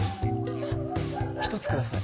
１つ下さい。